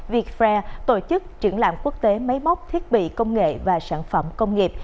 vietfair tổ chức trưởng lãm quốc tế máy móc thiết bị công nghệ và sản phẩm công nghiệp